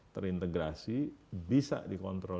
terintegrasi bisa dikontrol